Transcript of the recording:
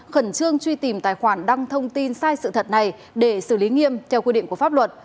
khẩn trương truy tìm tài khoản đăng thông tin sai sự thật này để xử lý nghiêm theo quy định của pháp luật